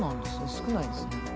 少ないですね。